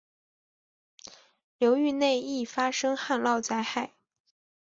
流域内易发生旱涝灾害。